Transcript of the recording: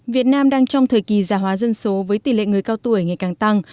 việt nam đang trong thời kỳ giả hóa dân số với tỷ lệ người cao tuổi ngày càng tăng